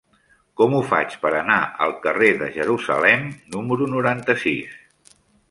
Com ho faig per anar al carrer de Jerusalem número noranta-sis?